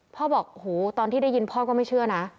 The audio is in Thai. พ่อบอกโหตอนที่ได้ยินพ่อก็ไม่เชื่อนะ